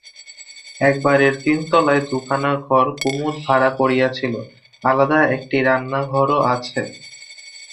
এক বাড়ির তিনতলায় দুখানা ঘর কুমুদ ভাড়া করিয়াছিল, আলাদা একটি রান্নাঘরও আছে।